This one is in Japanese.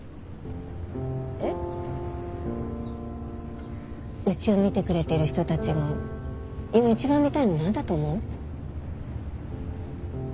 えっ？うちを見てくれている人たちが今一番見たいの何だと思う？